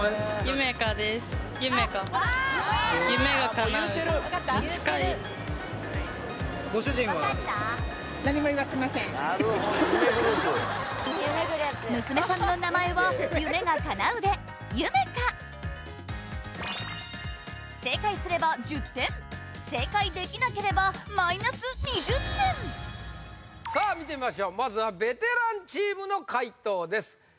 夢叶娘さんの名前は夢が叶うで夢叶正解すれば１０点正解できなければマイナス２０点さあ見てみましょうまずはベテランチームの解答です